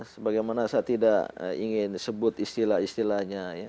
sebagaimana saya tidak ingin sebut istilah istilahnya ya